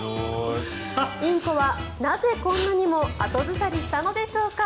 インコはなぜ、こんなにも後ずさりしたのでしょうか。